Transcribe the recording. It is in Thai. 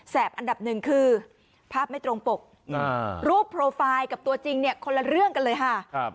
อันดับหนึ่งคือภาพไม่ตรงปกรูปโปรไฟล์กับตัวจริงเนี่ยคนละเรื่องกันเลยค่ะ